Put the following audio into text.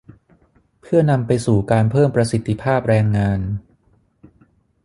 เพื่อนำไปสู่การเพิ่มประสิทธิภาพแรงงาน